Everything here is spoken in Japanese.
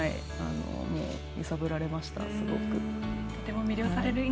揺さぶられました、すごく。